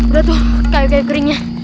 udah tuh kayu kayu keringnya